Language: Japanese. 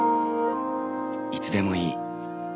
いつでもいい。